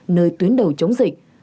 nơi tuyến đầu chống dịch